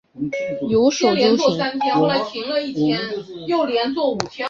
龙胆与雪绒花同属典型的和药用植物。